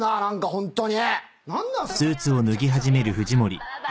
ホントに。